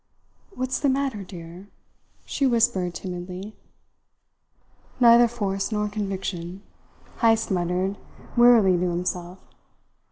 "What's the matter, dear?" she whispered timidly. "Neither force nor conviction," Heyst muttered wearily to himself.